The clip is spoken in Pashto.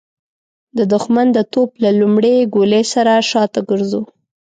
د د ښمن د توپ له لومړۍ ګولۍ سره شاته ګرځو.